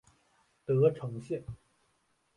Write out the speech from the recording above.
德城线